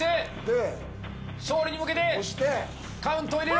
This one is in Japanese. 勝利に向けてカウントを入れる！